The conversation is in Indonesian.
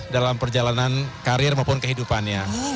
dalam perjalanan karir maupun kehidupannya